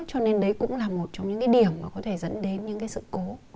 cho nên đấy cũng là một trong những cái điểm mà có thể dẫn đến những cái sự cố